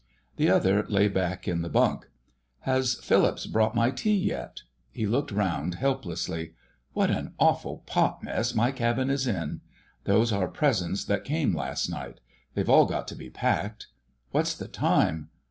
The other lay back in the bunk. "Has Phillips brought my tea yet?" He looked round helplessly. "What an awful pot mess my cabin is in. Those are presents that came last night—they've all got to be packed. What's the time?